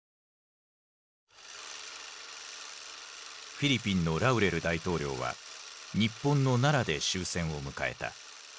フィリピンのラウレル大統領は日本の奈良で終戦を迎えた。